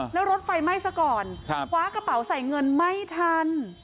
แล้วรถไฟไหม้ซะก่อนคว้ากระเป๋าใส่เงินไม่ทัน